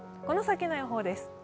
この先の予報です。